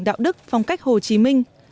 đạo đức phong cách hồ chí minh